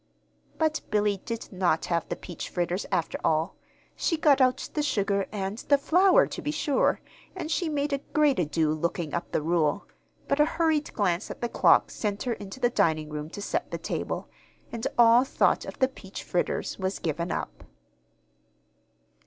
But Billy did not have the peach fritters, after all. She got out the sugar and the flour, to be sure, and she made a great ado looking up the rule; but a hurried glance at the clock sent her into the dining room to set the table, and all thought of the peach fritters was given up.